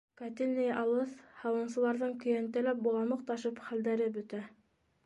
Котельный алыҫ, һауынсыларҙың көйәнтәләп боламыҡ ташып хәлдәре бөтә.